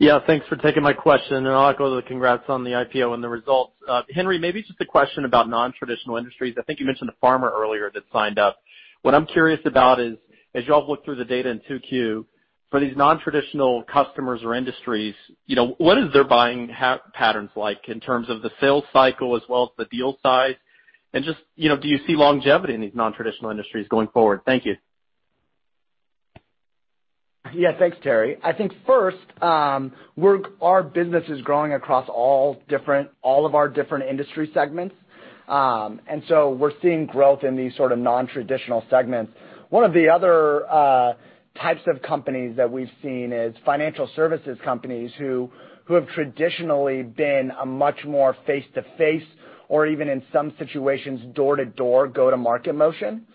Yeah, thanks for taking my question, and I'll echo the congrats on the IPO and the results. Henry, maybe just a question about non-traditional industries. I think you mentioned a pharma earlier that signed up. What I'm curious about is, as you all look through the data in 2Q, for these non-traditional customers or industries, what is their buying patterns like in terms of the sales cycle as well as the deal size? Just, do you see longevity in these non-traditional industries going forward? Thank you. Yeah, thanks, Terry. I think first, our business is growing across all of our different industry segments. We're seeing growth in these sort of non-traditional segments. One of the other types of companies that we've seen is financial services companies who have traditionally been a much more face-to-face or even in some situations, door-to-door go-to-market motion.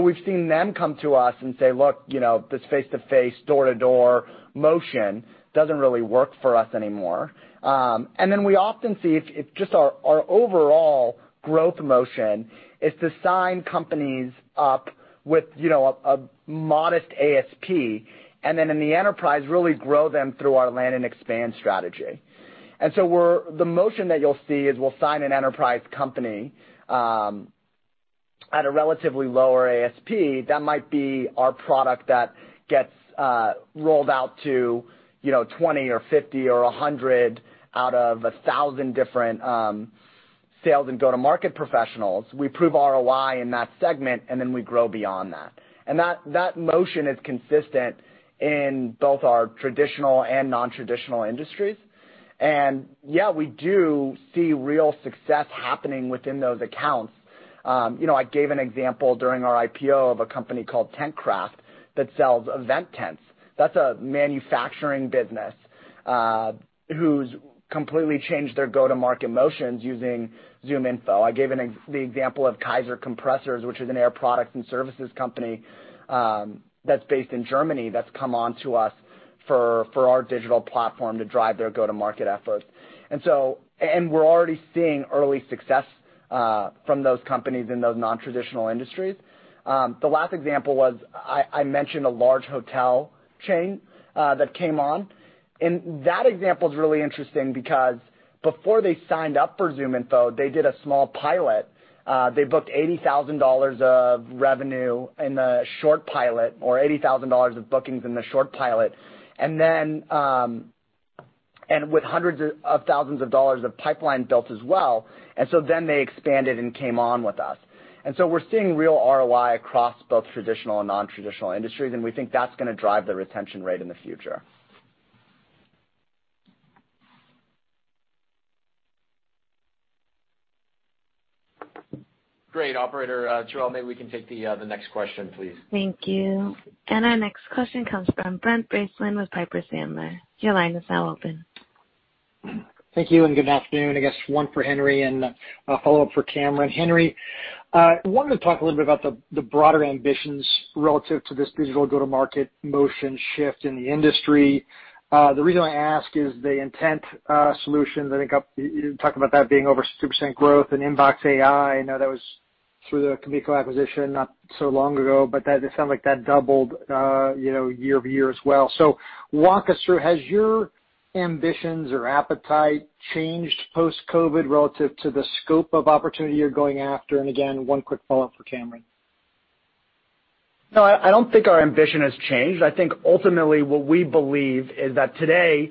We've seen them come to us and say, "Look, this face-to-face door-to-door motion doesn't really work for us anymore." We often see it's just our overall growth motion is to sign companies up with a modest ASP, then in the enterprise, really grow them through our land and expand strategy. The motion that you'll see is we'll sign an enterprise company at a relatively lower ASP. That might be our product that gets rolled out to 20 or 50 or 100 out of 1,000 different sales and go-to-market professionals. We prove ROI in that segment, and then we grow beyond that. That motion is consistent in both our traditional and non-traditional industries. Yeah, we do see real success happening within those accounts. I gave an example during our IPO of a company called TentCraft that sells event tents. That's a manufacturing business, who's completely changed their go-to-market motions using ZoomInfo. I gave the example of Kaeser Compressors, which is an air products and services company that's based in Germany, that's come on to us for our digital platform to drive their go-to-market efforts. We're already seeing early success from those companies in those non-traditional industries. The last example was, I mentioned a large hotel chain that came on. That example's really interesting because before they signed up for ZoomInfo, they did a small pilot. They booked $80,000 of revenue in the short pilot, or $80,000 of bookings in the short pilot. With hundreds of thousands of dollars of pipeline built as well. They expanded and came on with us. We're seeing real ROI across both traditional and non-traditional industries, and we think that's going to drive the retention rate in the future. Great. Operator, Jerome, maybe we can take the next question, please. Thank you. Our next question comes from Brent Bracelin with Piper Sandler. Your line is now open. Thank you and good afternoon. I guess one for Henry and a follow-up for Cameron. Henry, I wanted to talk a little bit about the broader ambitions relative to this digital go-to-market motion shift in the industry. The reason why I ask is the intent solutions. I think you talked about that being over 60% growth and InboxAI. I know that was through the Komiko acquisition not so long ago, but it sounded like that doubled year-over-year as well. Walk us through, has your ambitions or appetite changed post-COVID relative to the scope of opportunity you're going after? Again, one quick follow-up for Cameron. I don't think our ambition has changed. I think ultimately what we believe is that today,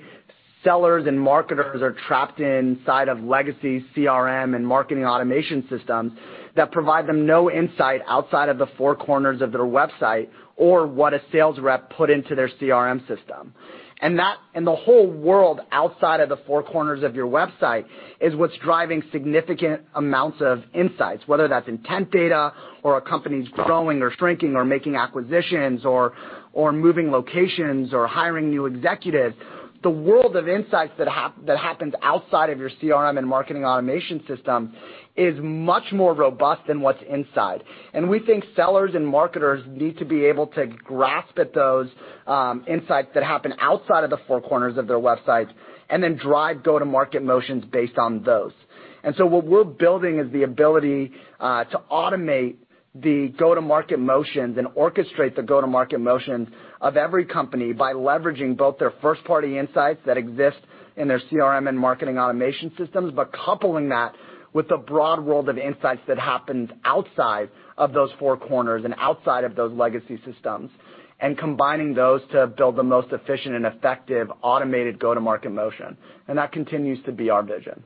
sellers and marketers are trapped inside of legacy CRM and marketing automation systems that provide them no insight outside of the four corners of their website or what a sales rep put into their CRM system. The whole world outside of the four corners of your website is what's driving significant amounts of insights, whether that's intent data or a company's growing or shrinking or making acquisitions or moving locations or hiring new executives. The world of insights that happens outside of your CRM and marketing automation system is much more robust than what's inside. We think sellers and marketers need to be able to grasp at those insights that happen outside of the four corners of their websites and then drive go-to-market motions based on those. What we're building is the ability to automate the go-to-market motions and orchestrate the go-to-market motions of every company by leveraging both their first-party insights that exist in their CRM and marketing automation systems. Coupling that with the broad world of insights that happens outside of those four corners and outside of those legacy systems, and combining those to build the most efficient and effective automated go-to-market motion. That continues to be our vision.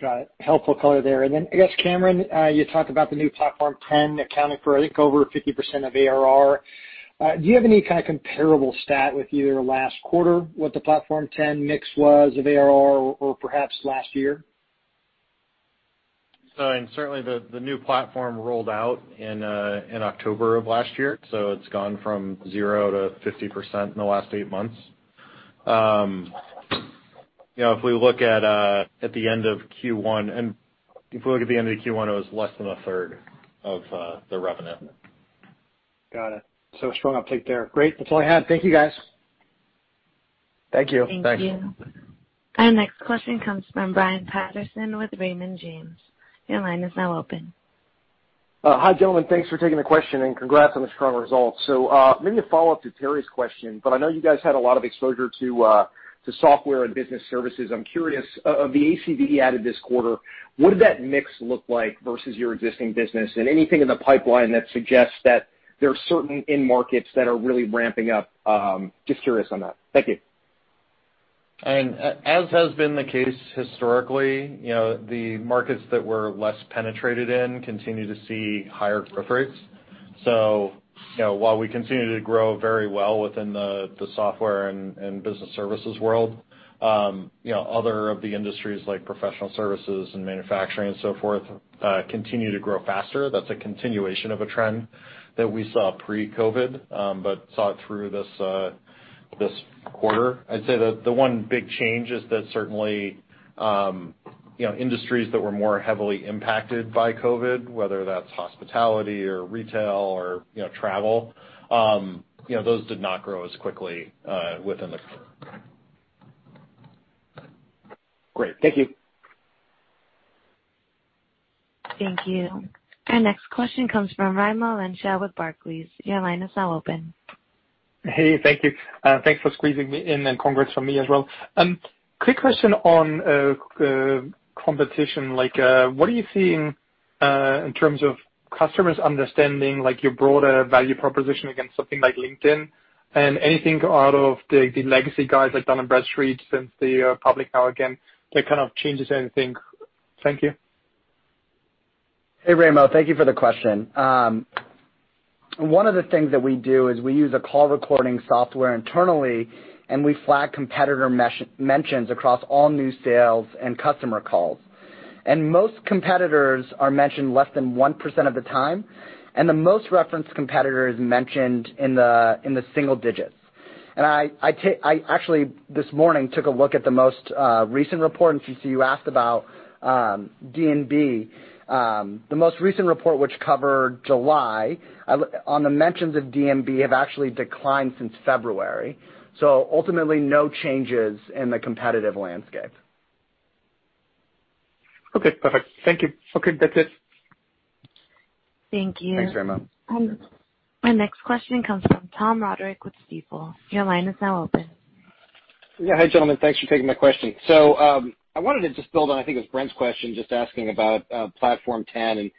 Got it. Helpful color there. Then I guess, Cameron, you talked about the new ZoomInfo Platform accounting for, I think, over 50% of ARR. Do you have any kind of comparable stat with either last quarter, what the ZoomInfo Platform mix was of ARR or perhaps last year? Certainly the new platform rolled out in October of last year, so it's gone from 0% to 50% in the last eight months. If we look at the end of Q1, it was less than a third of the revenue. Got it. Strong uptake there. Great. That's all I had. Thank you, guys. Thank you. Thanks. Thank you. Our next question comes from Brian Peterson with Raymond James. Your line is now open. Hi, gentlemen. Thanks for taking the question, and congrats on the strong results. Maybe a follow-up to Terry's question, but I know you guys had a lot of exposure to software and business services. I'm curious, of the ACV added this quarter, what did that mix look like versus your existing business and anything in the pipeline that suggests that there are certain end markets that are really ramping up? Just curious on that. Thank you. As has been the case historically, the markets that we're less penetrated in continue to see higher growth rates. While we continue to grow very well within the software and business services world, other of the industries, like professional services and manufacturing and so forth, continue to grow faster. That's a continuation of a trend that we saw pre-COVID-19, but saw it through this quarter. I'd say that the one big change is that certainly industries that were more heavily impacted by COVID-19, whether that's hospitality or retail or travel, those did not grow as quickly within the quarter. Great. Thank you. Thank you. Our next question comes from Raimo Lenschow with Barclays. Your line is now open. Hey, thank you. Thanks for squeezing me in, and congrats from me as well. Quick question on competition. What are you seeing in terms of customers understanding your broader value proposition against something like LinkedIn? Anything out of the legacy guys like Dun & Bradstreet since they are public now again, that kind of changes anything? Thank you. Hey, Raimo. Thank you for the question. One of the things that we do is we use a call recording software internally, and we flag competitor mentions across all new sales and customer calls. Most competitors are mentioned less than 1% of the time, and the most referenced competitor is mentioned in the single digits. I actually, this morning, took a look at the most recent report, and since you asked about D&B. The most recent report, which covered July, on the mentions of D&B have actually declined since February. Ultimately, no changes in the competitive landscape. Okay, perfect. Thank you. Okay, that's it. Thank you. Thanks, Raimo. Our next question comes from Tom Roderick with Stifel. Your line is now open. Yeah. Hi, gentlemen. Thanks for taking my question. I wanted to just build on, I think it was Brent's question, just asking about ZoomInfo Platform and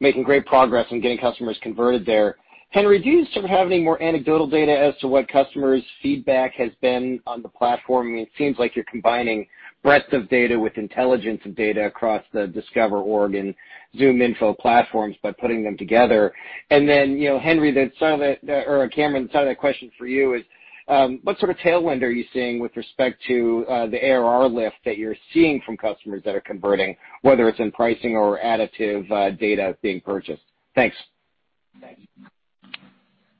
making great progress on getting customers converted there. Henry, do you sort of have any more anecdotal data as to what customers' feedback has been on the platform? I mean, it seems like you're combining breadth of data with intelligence of data across the DiscoverOrg and ZoomInfo platforms by putting them together. Then, Henry, or Cameron, side question for you is, what sort of tailwind are you seeing with respect to the ARR lift that you're seeing from customers that are converting, whether it's in pricing or additive data being purchased? Thanks.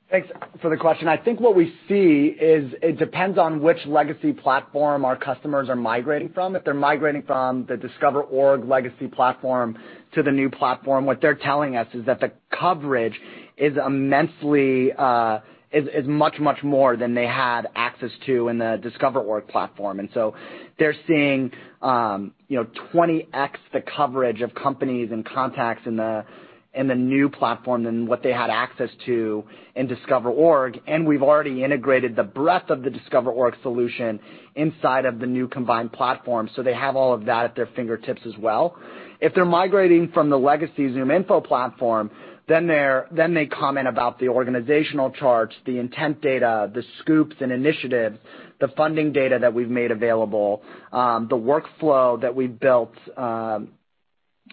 Thanks for the question. I think what we see is it depends on which legacy platform our customers are migrating from. If they're migrating from the DiscoverOrg legacy platform to the new platform, what they're telling us is that the coverage is much more than they had access to in the DiscoverOrg platform. They're seeing 20x the coverage of companies and contacts in the new platform than what they had access to in DiscoverOrg. We've already integrated the breadth of the DiscoverOrg solution inside of the new combined platform, so they have all of that at their fingertips as well. If they're migrating from the legacy ZoomInfo platform, they comment about the organizational charts, the intent data, the Scoops and initiatives, the funding data that we've made available, the workflow that we've built, the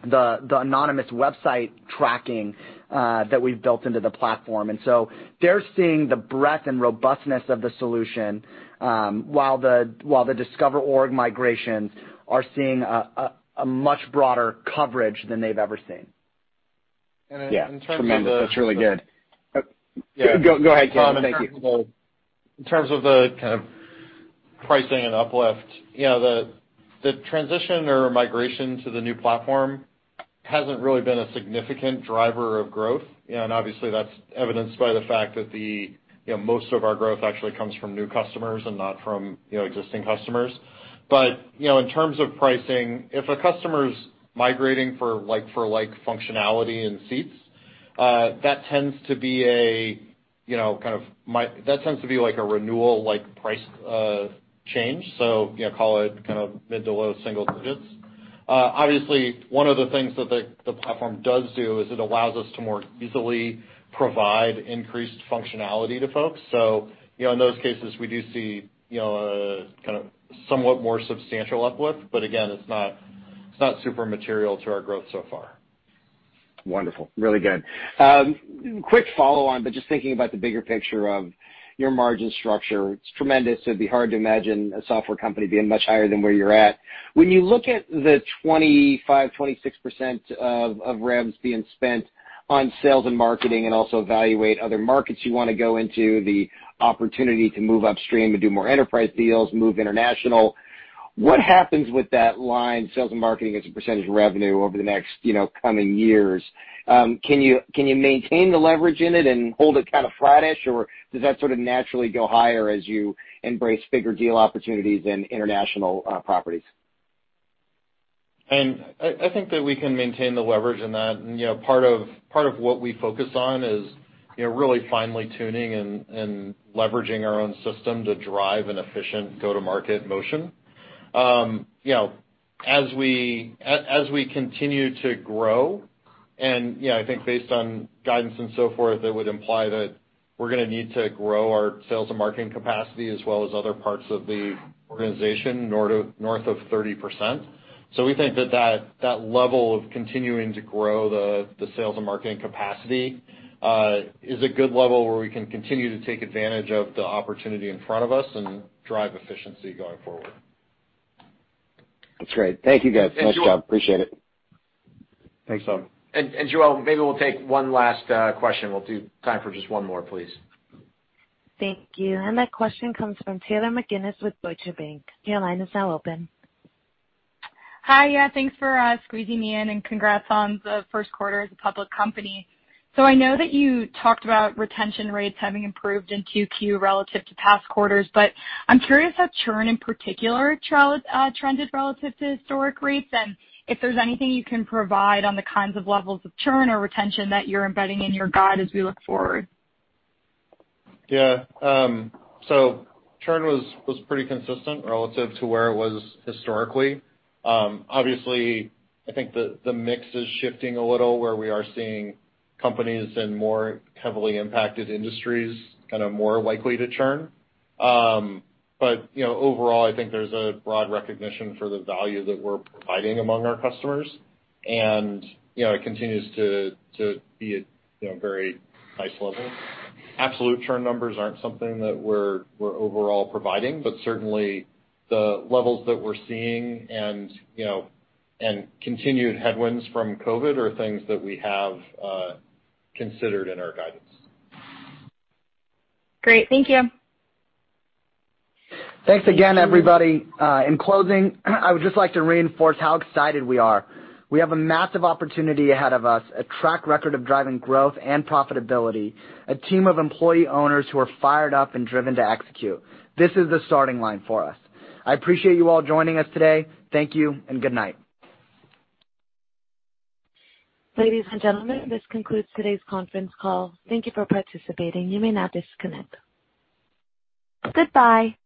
anonymous website tracking that we've built into the platform. They're seeing the breadth and robustness of the solution, while the DiscoverOrg migrations are seeing a much broader coverage than they've ever seen. Yeah, it's tremendous. That's really good. Go ahead, Cameron. Thank you. In terms of the kind of pricing and uplift. The transition or migration to the new platform hasn't really been a significant driver of growth. Obviously, that's evidenced by the fact that most of our growth actually comes from new customers and not from existing customers. In terms of pricing, if a customer's migrating for like functionality and seats, that tends to be like a renewal price change. Call it mid to low single digits. Obviously, one of the things that the platform does do is it allows us to more easily provide increased functionality to folks. In those cases, we do see somewhat more substantial uplift, but again, it's not super material to our growth so far. Wonderful. Really good. Quick follow-on, but just thinking about the bigger picture of your margin structure, it's tremendous. It'd be hard to imagine a software company being much higher than where you're at. When you look at the 25%, 26% of revs being spent on sales and marketing and also evaluate other markets you want to go into, the opportunity to move upstream to do more enterprise deals, move international, what happens with that line, sales and marketing as a percentage of revenue over the next coming years? Can you maintain the leverage in it and hold it kind of flat-ish, or does that sort of naturally go higher as you embrace bigger deal opportunities in international properties? I think that we can maintain the leverage in that. Part of what we focus on is really finely tuning and leveraging our own system to drive an efficient go-to-market motion. As we continue to grow, I think based on guidance and so forth, it would imply that we're going to need to grow our sales and marketing capacity as well as other parts of the organization north of 30%. We think that level of continuing to grow the sales and marketing capacity is a good level where we can continue to take advantage of the opportunity in front of us and drive efficiency going forward. That's great. Thank you, guys. Nice job. Appreciate it. Thanks, Tom. Jerome, maybe we'll take one last question. We'll do time for just one more, please. Thank you. That question comes from Taylor McGinnis with Deutsche Bank. Your line is now open. Hi, thanks for squeezing me in. Congrats on the first quarter as a public company. I know that you talked about retention rates having improved in 2Q relative to past quarters. I'm curious how churn in particular trended relative to historic rates. If there's anything you can provide on the kinds of levels of churn or retention that you're embedding in your guide as we look forward. Yeah. Churn was pretty consistent relative to where it was historically. Obviously, I think the mix is shifting a little, where we are seeing companies in more heavily impacted industries more likely to churn. Overall, I think there's a broad recognition for the value that we're providing among our customers. It continues to be at very nice levels. Absolute churn numbers aren't something that we're overall providing, but certainly the levels that we're seeing and continued headwinds from COVID are things that we have considered in our guidance. Great. Thank you. Thanks again, everybody. In closing, I would just like to reinforce how excited we are. We have a massive opportunity ahead of us, a track record of driving growth and profitability, a team of employee-owners who are fired up and driven to execute. This is the starting line for us. I appreciate you all joining us today. Thank you, and good night. Ladies and gentlemen, this concludes today's conference call. Thank you for participating. You may now disconnect. Goodbye.